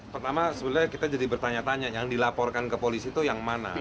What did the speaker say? pertama sebenarnya kita jadi bertanya tanya yang dilaporkan ke polisi itu yang mana